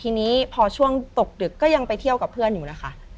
ทีนี้พอช่วงตกดึกก็ยังไปเที่ยวกับเพื่อนอยู่นะคะ